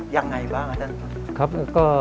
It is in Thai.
ยังไงบ้างอาจารย์